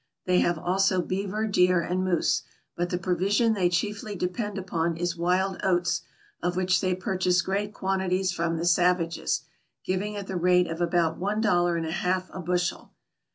They have also beaver, deer and moose; but the provision they chiefly depend upon is wild oats, of which they purchase great quantities from the savages, giv ing at the rate of about one dollar and a half a bushel.